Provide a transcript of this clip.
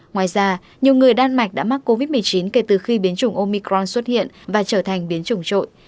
ngoài ra nhiều người đan mạch đã mắc covid một mươi chín kể từ khi biến chủng omicron xuất hiện và trở thành biến chủng